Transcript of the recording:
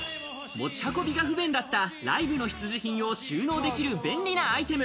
持ち運びが不便だった、ライブの必需品を収納できる便利なアイテム。